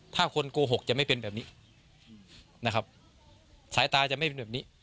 ถ้าคนโกหกจะไม่เป็นแบบนี้นะครับสายตาจะไม่เป็นแบบนี้